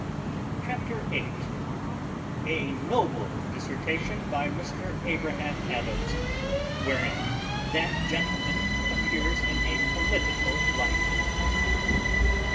CHAPTER VIII. _A notable dissertation by Mr Abraham Adams; wherein that gentleman appears in a political light.